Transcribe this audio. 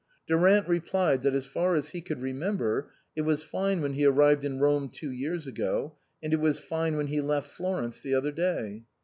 Durant replied that as far as he could re member it was fine when he arrived in Rome two years ago, and it was fine when he left Florence the other day.